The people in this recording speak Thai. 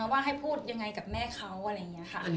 อะฮะว่าให้พูดยังไงกับแม่เขาอะไรเนี้ยค่ะ